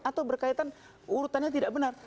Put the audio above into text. atau berkaitan urutannya tidak benar